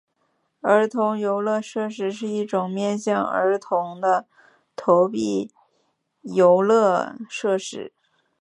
儿童游乐设施是一种面向儿童的投币游乐设施。